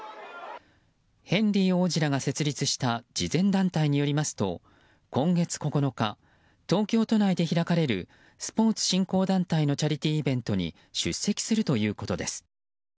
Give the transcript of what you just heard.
ヘンリー王子らが設立した慈善団体によりますと今月９日、東京都内で開かれるスポーツ振興団体のチャリティーイベントに出席するということです。